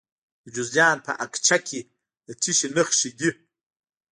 د جوزجان په اقچه کې د څه شي نښې دي؟